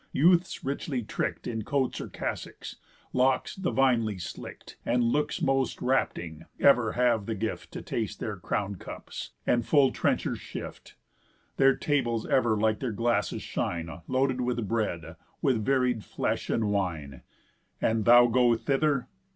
Youths richly trick'd In coats or cassocks, locks divinely slick'd, And looks most rapting, ever have the gift To taste their crown'd cups, and full trenchers shift. Their tables ever like their glasses shine, Loaded with bread, with varied flesh, and wine. And thou go thither?